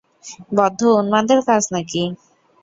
বদ্ধ উন্মাদের কাজ নাকি?